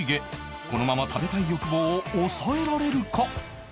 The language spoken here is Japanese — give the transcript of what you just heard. このまま食べたい欲望を抑えられるか？